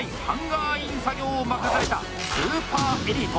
「ハンガーイン作業」を任されたスーパーエリート！